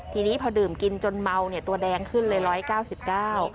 ทีนี้พอดื่มกินจนเมาเนี่ยตัวแดงขึ้นเลยร้อยเก้าสิบเก้า